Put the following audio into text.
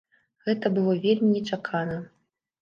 Гэта было вельмі нечакана.